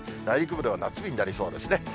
内陸部では夏日になりそうですね。